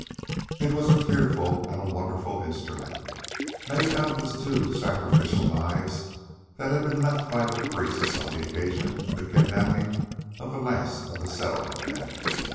It was a fearful and a wonderful instrument, made out of the two sacrificial knives that had been left by the priests on the occasion of the kidnapping of the last of the Settlement men.